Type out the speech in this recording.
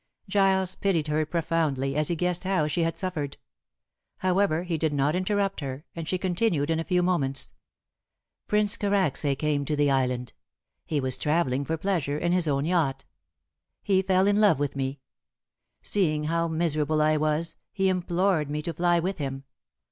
Giles pitied her profoundly, as he guessed how she had suffered. However, he did not interrupt her, and she continued in a few moments. "Prince Karacsay came to the island. He was travelling for pleasure, and in his own yacht. He fell in love with me. Seeing how miserable I was, he implored me to fly with him.